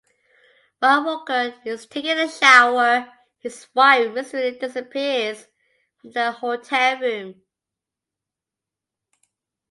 While Walker is taking a shower, his wife mysteriously disappears from their hotel room.